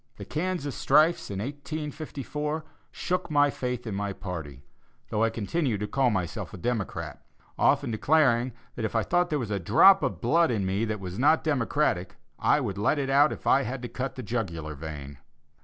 The Kansas strifes, in 1854, shook my faith in my party, though I continued to call myself a Democrat, often declaring that if I thought there was a drop of blood in me that was not democratic, I would let it out if I had to cut the jugular vein.